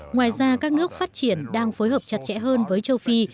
ngoài ra các nước phát triển đang phối hợp chặt chẽ hơn với châu phi